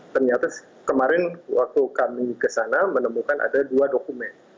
ternyata kemarin waktu kami kesana menemukan ada dua dokumen